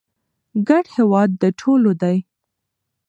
ګډ هېواد د ټولو دی.